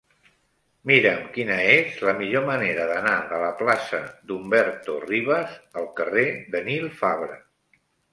Mira'm quina és la millor manera d'anar de la plaça d'Humberto Rivas al carrer de Nil Fabra.